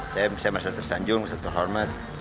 saya merasa tersanjung saya terhormat